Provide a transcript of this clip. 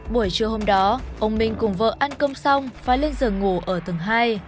buổi trưa hôm đó ông minh cùng vợ ăn cơm xong và lên giường ngủ ở tầng hai